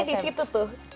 pressure nya di situ tuh